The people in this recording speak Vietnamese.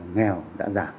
nghèo đã giảm